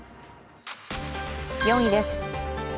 ４位です。